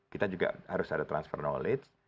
kita juga harus ada transfer knowledge